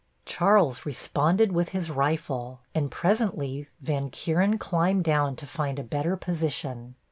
Charles responded with his rifle, and presently Van Kuren climbed down to find a better position.